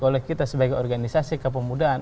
oleh kita sebagai organisasi kepemudaan